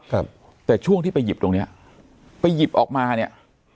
ครับแต่ช่วงที่ไปหยิบตรงเนี้ยไปหยิบออกมาเนี้ย